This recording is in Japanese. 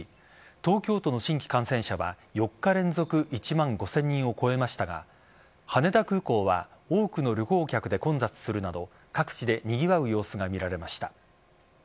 東京都の新規感染者は４日連続１万５０００人を超えましたが羽田空港は多くの旅行客で混雑するなど各地でにぎわう様子が見られました。